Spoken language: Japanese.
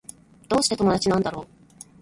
どうして友達なんだろう